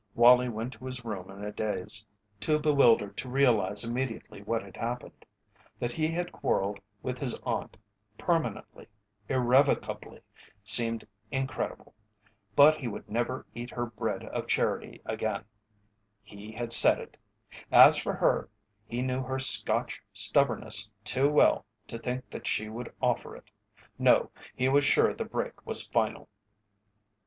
Wallie went to his room in a daze, too bewildered to realize immediately what had happened. That he had quarrelled with his aunt, permanently, irrevocably, seemed incredible. But he would never eat her bread of charity again he had said it. As for her, he knew her Scotch stubbornness too well to think that she would offer it. No, he was sure the break was final.